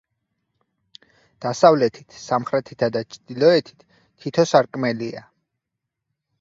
დასავლეთით, სამხრეთითა და ჩრდილოეთით თითო სარკმელია.